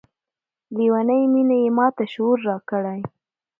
لیونۍ میني یې ماته شعور راکړی